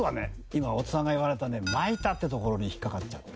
今太田さんが言われたね「蒔いた」っていうところに引っかかっちゃった。